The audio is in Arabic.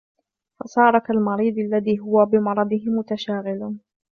فَصَارَ كَالْمَرِيضِ الَّذِي هُوَ بِمَرَضِهِ مُتَشَاغِلٌ